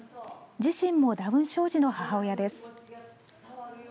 自身もダウン症児の母親です。